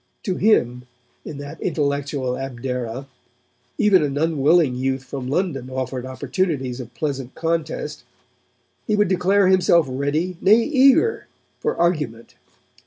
To him, in that intellectual Abdera, even an unwilling youth from London offered opportunities of pleasant contest. He would declare himself ready, nay eager, for argument.